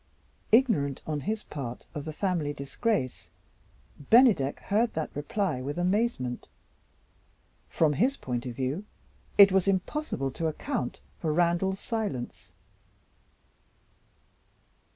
Ignorant on his part of the family disgrace, Bennydeck heard that reply with amazement. From his point of view, it was impossible to account for Randal's silence.